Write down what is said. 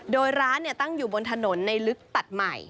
โดยร้านตั้งอยู่บนถนนในลึกตัดใหม่